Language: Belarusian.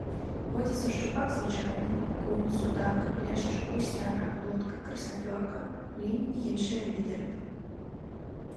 Водзяцца шчупак звычайны, акунь, судак, лешч, гусцяра, плотка, краснапёрка, лінь і іншыя віды рыб.